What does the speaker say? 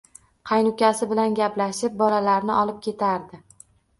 Qaynukasi bilan gaplashib, bolalarni olib ketardi